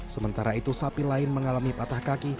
sementara itu sapi lain mengalami patah kaki